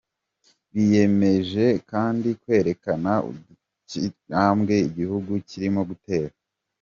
Biyemeje kandi kwerekana udindiza intambwe igihugu kirimo gutera.